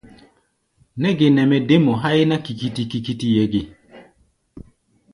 Nɛ́ ge nɛ mɛ dé mɔ háí ná kikiti-kikitiʼɛ ge?